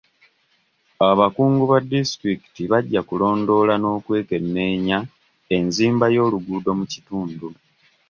Abakungu ba disitulikiti bajja kulondoola n'okwekenneenya enzimba y'oluguudo mu kitundu.